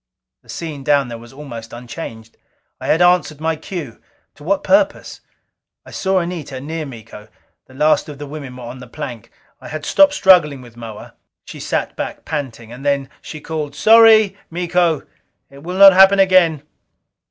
The scene down there was almost unchanged. I had answered my cue. To what purpose? I saw Anita near Miko. The last of the women were on the plank. I had stopped struggling with Moa. She sat back, panting. And then she called: "Sorry, Miko. It will not happen again."